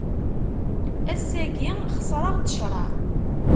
Ass-agi xeṣreɣ-d ccreɛ.